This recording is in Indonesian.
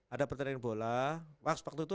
ada pertandingan bola waktu itu